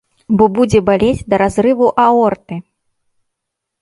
Бо будзе балець да разрыву аорты!